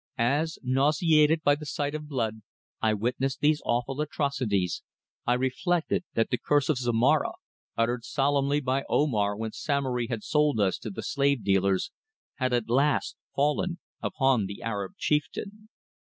As, nauseated by the sight of blood, I witnessed these awful atrocities, I reflected that the curse of Zomara, uttered solemnly by Omar when Samory had sold us to the slave dealers, had at last fallen upon the Arab chieftain.